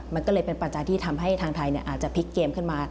มันก็เลยเป็นปัจจัยที่ทำให้ทางไทยอาจจะพลิกเกมขึ้นมา